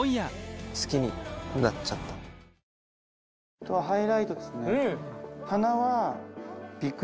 あとはハイライトですね。